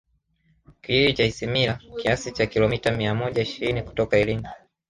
Kijiji cha Isimila kiasi cha Kilomita mia moja ishirini kutoka Iringa